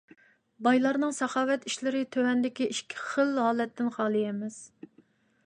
بايلارنىڭ ساخاۋەت ئىشلىرى تۆۋەندىكى ئىككى خىل ھالەتتىن خالىي ئەمەس: